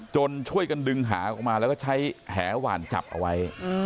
ช่วยกันดึงหาออกมาแล้วก็ใช้แหหวานจับเอาไว้